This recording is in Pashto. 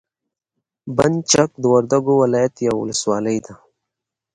بند چک د وردګو ولایت یوه ولسوالي ده.